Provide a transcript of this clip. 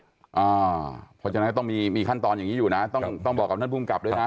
เพราะฉะนั้นต้องมีขั้นตอนอย่างนี้อยู่นะต้องบอกกับท่านภูมิกับด้วยนะ